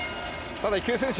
ただ池江選手